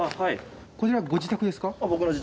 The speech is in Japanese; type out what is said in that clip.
こちらご自宅ですか？